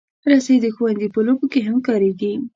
رسۍ د ښوونځي په لوبو کې هم کارېږي.